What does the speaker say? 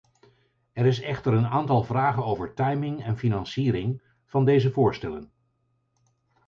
Er is echter een aantal vragen over timing en financiering van deze voorstellen.